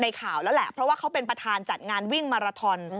ข่าวแล้วแหละเพราะว่าเขาเป็นประธานจัดงานวิ่งมาราทอน